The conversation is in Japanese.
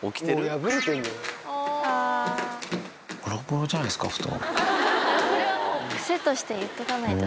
ぼろぼろじゃないですか、布団。